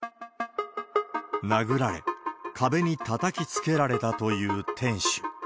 殴られ、壁にたたきつけられたという店主。